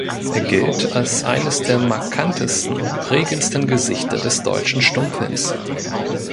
Er gilt als eines der markantesten und prägendsten Gesichter des deutschen Stummfilms.